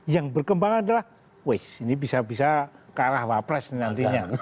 yang berkembang adalah wis ini bisa bisa ke arah wapres nantinya